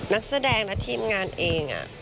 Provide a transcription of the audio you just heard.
นักแสดงนักทีมงานเองอ่ะ